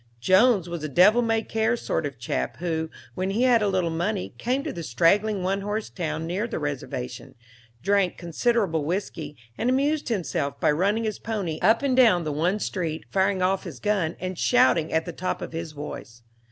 Jones was a devil may care sort of chap, who, when he had a little money, came to the straggling one horse town near the Reservation, drank considerable whiskey, and amused himself by running his pony up and down the one street, firing off his gun, and shouting at the top of his voice.